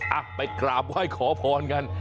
อ่ะไปกราบไหว้ขอพรกัน